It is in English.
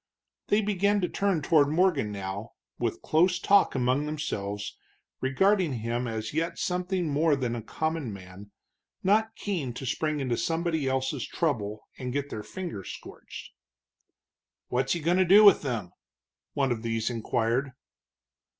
They began to turn toward Morgan now, with close talk among themselves, regarding him yet as something more than a common man, not keen to spring into somebody else's trouble and get their fingers scorched. "What's he going to do with them?" one of these inquired.